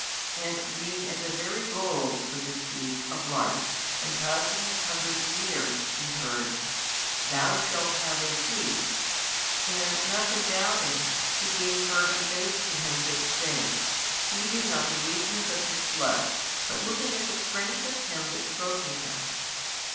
And being at the very goal so to speak of life and passing his hundredth year, he heard, Thou shalt have a seed, and nothing doubting, he gave fervent faith to Him That spake, heeding not the weakness of his flesh, but looking at the Strength of Him That spoke to him.